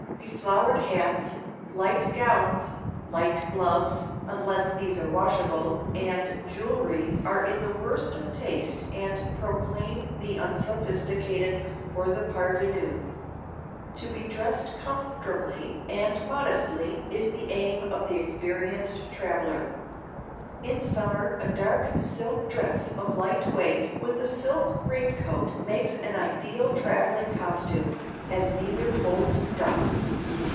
Beflowered hats, light gowns, light gloves—unless these are washable—and jewelry are in the worst of taste and proclaim the unsophisticated or the parvenu. To be dressed comfortably and modestly is the aim of the experienced traveler. In summer a dark silk dress of light weight with a silk rain coat makes an ideal traveling costume, as neither holds dust.